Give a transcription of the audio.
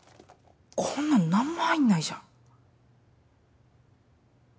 こんなの何も入んないじゃん。